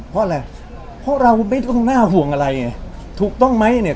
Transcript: เพราะอะไรเพราะเราไม่ต้องน่าห่วงอะไรไงถูกต้องไหมเนี่ย